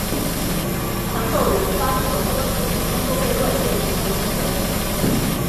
强兽人发动的多次进攻都被乱箭石头击退。